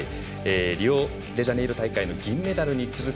リオデジャネイロ大会の銀メダルに続く